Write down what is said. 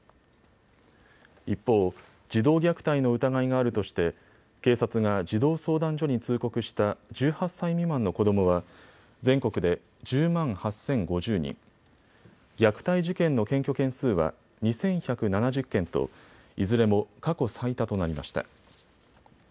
一方、児童虐待の疑いがあるとして警察が児童相談所に通告した１８歳未満の子どもは全国で１０万８０５０人、虐待事件の検挙件数は２１７０件といずれも過去最多となりました。